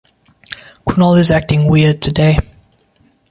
Kunal is acting weird today.